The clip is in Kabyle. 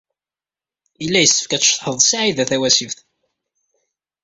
Yella yessefk ad tceḍḥeḍ ed Saɛida Tawasift.